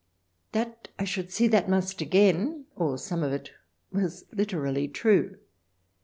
That I should see that must again, or some of it, was literally true.